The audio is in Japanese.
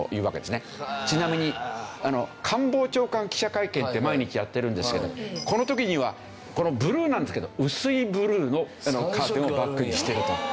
ちなみに官房長官記者会見って毎日やってるんですけどこの時にはブルーなんですけど薄いブルーのカーテンをバックにしていると。